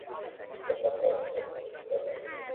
একটা কথা স্পষ্ট করে শুনে নাও।